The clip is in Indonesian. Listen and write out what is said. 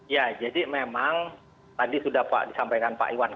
ya jadi memang tadi sudah disampaikan pak iwan